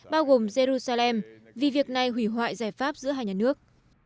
bao gồm jerusalem vì việc này hủy hoại giải pháp giữa hai nhà nước